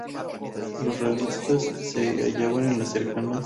Los realistas se hallaban en las cercanas Tacna y Moquegua.